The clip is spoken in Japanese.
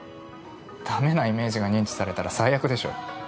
だめなイメージが認知されたら最悪でしょ。